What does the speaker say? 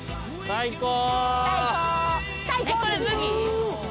最高！